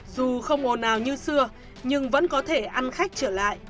dù không ồn nào như xưa nhưng vẫn có thể ăn khách trở lại